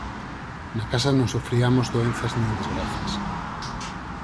na casa non sufriamos doenzas nin desgrazas